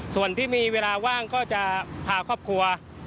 ส่วนที่มีเวลาว่างก็จะพาครอบครัว